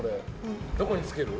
どこにつける？